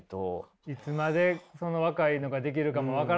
いつまでその若いのができるかも分からないし。